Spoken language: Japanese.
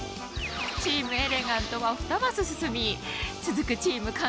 チームエレガントは２マス進み続くチーム